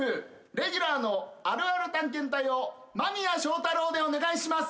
レギュラーの「あるある探検隊」を間宮祥太朗でお願いします！